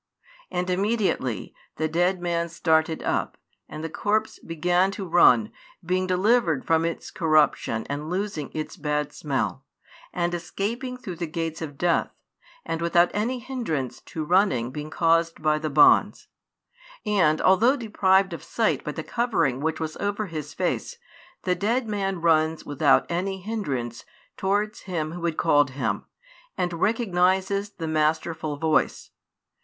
And immediately, the dead man started up, and the corpse began to run, being delivered from its corruption and losing its bad smell, and escaping through the gates of death, and without any hindrance to running being caused by the bonds. And although deprived of sight by the covering which was over his face, the dead man runs without any hindrance towards Him Who had called him, and recognises the masterful voice.